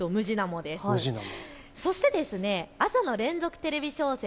そしてあさの連続テレビ小説